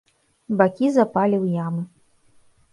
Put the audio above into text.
Бакі запалі ў ямы.